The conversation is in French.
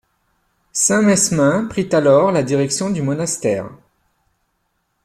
Saint Mesmin prit alors la direction du monastère.